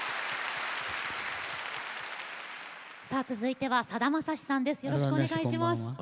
続いてはさだまさしさんです。